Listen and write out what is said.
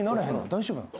大丈夫なん？